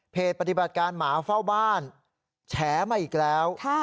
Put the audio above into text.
ปฏิบัติการหมาเฝ้าบ้านแฉมาอีกแล้ว